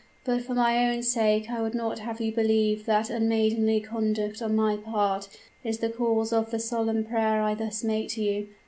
But for my own sake I would not have you believe that unmaidenly conduct on my part is the cause of the solemn prayer I thus make to you.